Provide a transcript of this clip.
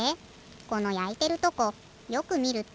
このやいてるとこよくみると。